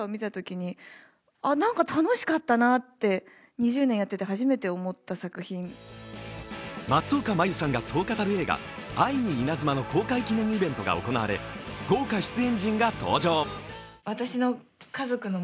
今後、やってみたい声のお仕事は松岡茉優さんがそう語る映画「愛にイナズマ」の公開記念イベントが行われ豪華出演陣が登場。